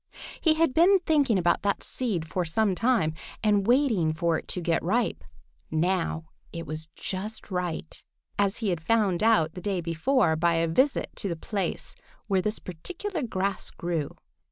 He had been thinking about that seed for some time and waiting for it to get ripe. Now it was just right, as he had found out the day before by a visit to the place where this particular grass grew.